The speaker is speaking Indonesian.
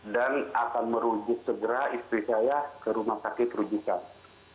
dan akan merujuk segera istri saya ke rumah sakit rujukan